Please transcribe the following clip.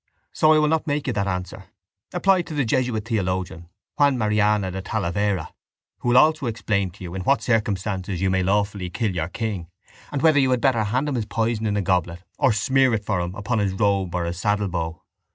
So I will not make you that answer. Apply to the jesuit theologian Juan Mariana de Talavera who will also explain to you in what circumstances you may lawfully kill your king and whether you had better hand him his poison in a goblet or smear it for him upon his robe or his saddlebow.